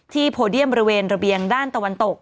โพเดียมบริเวณระเบียงด้านตะวันตก